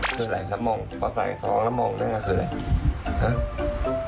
คืออะไรแล้วมองพอใส่สองแล้วมองหน้าคืออะไร